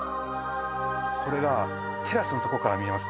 これがテラスのとこから見えます